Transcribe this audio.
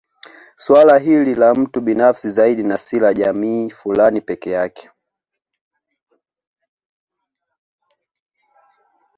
Suala hili ni la mtu binafsi zaidi na si la jamii fulani peke yake